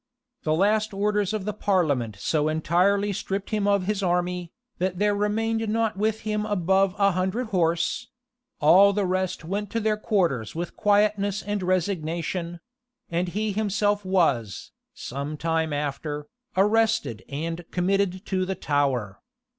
The last orders of the parliament so entirely stripped him of his army, that there remained not with him above a hundred horse: all the rest went to their quarters with quietness and resignation; and he himself was, some time after, arrested and committed to the Tower.